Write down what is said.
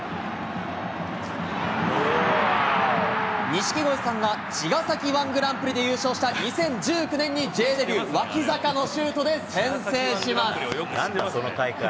錦鯉さんが茅ヶ崎１グランプリで優勝した２０１９年にＪデビュー、脇坂のシュートで先制します。